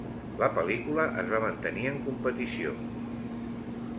La pel·lícula es va mantenir en competició.